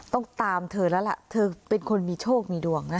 ต้องตามเธอแล้วล่ะเธอเป็นคนมีโชคมีดวงนะ